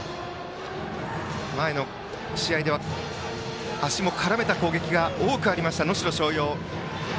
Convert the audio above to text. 前の試合では足も絡めた攻撃が多くあった能代松陽です。